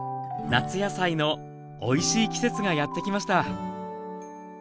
夏野菜のおいしい季節がやってきました